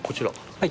はい。